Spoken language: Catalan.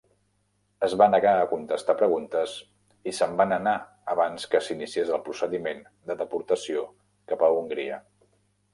Es va negar a contestar preguntes i se'n va anar abans que s'iniciés el procediment de deportació cap a Hongria.